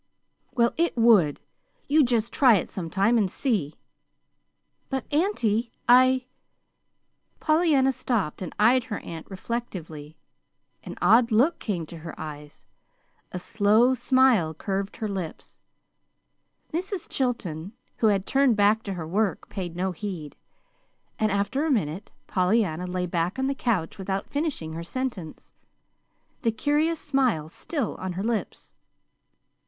"Well, it would. You just try it sometime, and see." "But, auntie, I " Pollyanna stopped and eyed her aunt reflectively. An odd look came to her eyes; a slow smile curved her lips. Mrs. Chilton, who had turned back to her work, paid no heed; and, after a minute, Pollyanna lay back on the couch without finishing her sentence, the curious smile still on her lips.